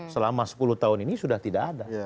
selama sepuluh tahun ini sudah tidak ada